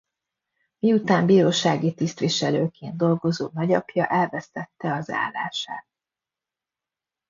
Miután bírósági tisztviselőként dolgozó nagyapja elvesztette az állását.